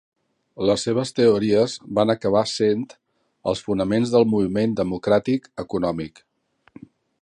Les seves teories van acabar sent els fonaments del moviment democràtic econòmic.